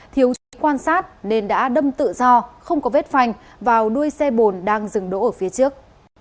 thiếu quan sát nên đã đâm tự do không có vết phanh vào đuôi xe bồn đang dừng đỗ ở phía trước